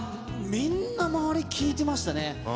みんな、周り聴いてましたね。